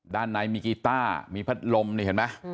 ด้านในมีกีต้ามีพัดลมนี่เห็นไหม